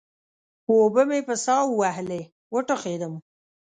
اوبه مې په سا ووهلې؛ وټوخېدم.